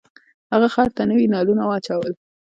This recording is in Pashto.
هغه خر ته نوي نالونه واچول.